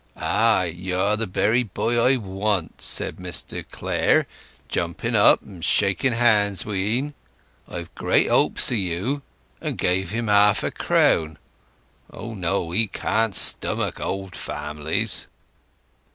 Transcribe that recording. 'Ah! you're the very boy I want!' says Mr Clare, jumping up and shaking hands wi'en; 'I've great hopes of you;' and gave him half a crown. O no! he can't stomach old families!"